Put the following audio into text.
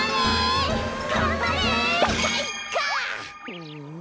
うん。